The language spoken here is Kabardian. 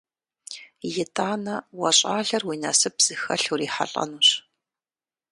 ИтӀанэ уэ щӀалэр уи насып зыхэлъ урихьэлӀэнущ.